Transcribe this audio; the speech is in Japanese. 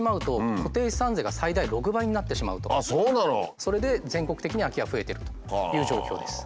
それで全国的に空き家増えてるという状況です。